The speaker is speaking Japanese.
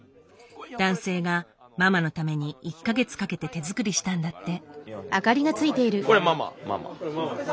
男性がママのために１か月かけて手作りしたんだって。